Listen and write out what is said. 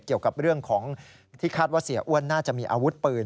เกี่ยวกับเรื่องของที่คาดว่าเสียอ้วนน่าจะมีอาวุธปืน